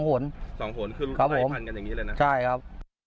๒คนคือไหลพันธุ์กันอย่างนี้เลยนะครับผมใช่ครับ